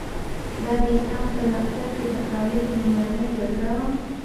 دا د اسلام په لښکر کې د خالد لومړۍ جګړه وه.